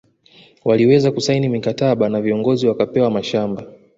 Waliweza kusaini mikataba na viongozi wakapewa mashamaba